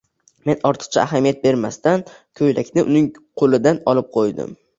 Men ortiqcha ahamiyat bermasdan ko'ylakni uning ko'lidan olib ko'ydim.